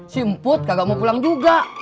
si emput kagak mau pulang juga